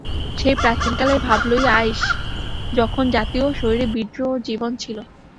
সেই প্রাচীনকালের ভাব লইয়া আইস, যখন জাতীয় শরীরে বীর্য ও জীবন ছিল।